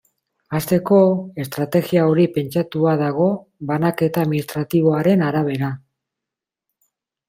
Hasteko, estrategia hori pentsatua dago banaketa administratiboaren arabera.